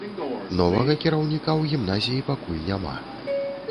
Новага кіраўніка ў гімназіі пакуль няма.